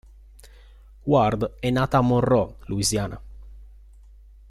Ward è nata a Monroe, Louisiana.